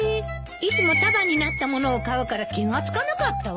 いつも束になったものを買うから気が付かなかったわ。